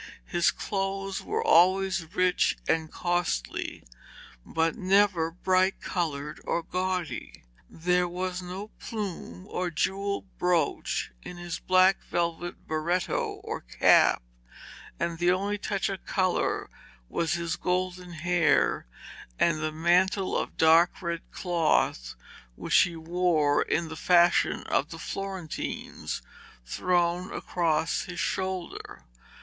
His clothes were always rich and costly, but never bright coloured or gaudy. There was no plume or jewelled brooch in his black velvet beretto or cap, and the only touch of colour was his golden hair, and the mantle of dark red cloth which he wore in the fashion of the Florentines, thrown across his shoulder.